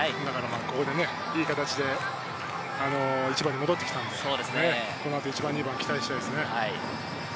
ここでいい形で１番に戻ってきたので、この後１番２番に期待したいですね。